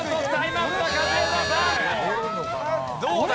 どうだ？